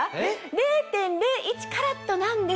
０．０１カラットなんですが。